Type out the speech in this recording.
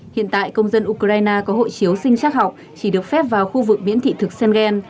hiện tại công dân ukraine có hội chiếu sinh chắc học chỉ được phép vào khu vực biển thị thực sengen